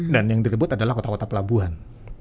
dan yang direbut adalah kota kota pelabuhan